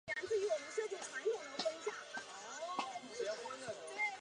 血型的遗传一般遵守孟德尔定律。